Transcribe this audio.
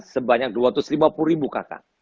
sebanyak dua ratus lima puluh ribu kakak